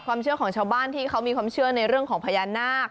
ความเชื่อของชาวบ้านที่เขามีความเชื่อในเรื่องของพญานาค